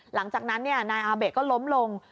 หลังจากนั้นนายอาเบะก็ล้มลง